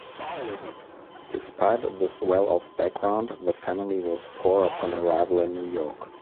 Despite this well-off background, the family was poor upon arrival in New York.